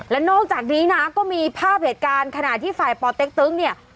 และนอกจากนี้นะก็มีภาพเหตุการณ์ขณะที่ฝ่ายปอเต็กตึงเนี่ย